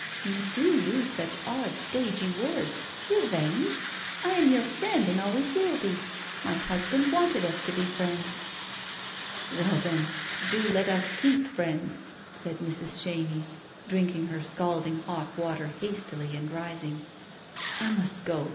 You do use such odd stagey words. Revenge ! I am your friend and always will be. My husband wanted us to be friends." "Well, then, do let us keep friends," said Mrs. Chenies, drinking her scalding hot water hastily and rising. "I must go.